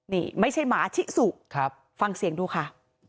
นี่ไม่ใช่หมาชิสุฟังเสียงดูค่ะ